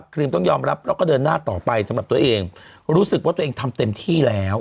ครีมต้องยอมรับแล้วก็เดินหน้าต่อไปสำหรับตัวเองรู้สึกว่าตัวเองทำเต็มที่แล้ว